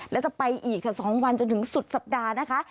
แล้วจะไปอีกค่ะ๒วันจนถึงสุดสัปดาห์นะคะ